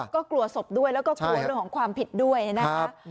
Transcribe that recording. ก็กลัวศพด้วยแล้วก็กลัวเรื่องของความผิดด้วยนะคะ